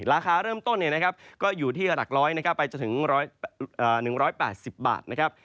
ราคาเริ่มต้นก็อยู่ที่หลัก๑๐๐นะครับไปจนถึง๑๘๐บาทนะครับ